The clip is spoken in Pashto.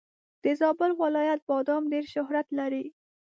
د زابل ولایت بادم ډېر شهرت لري.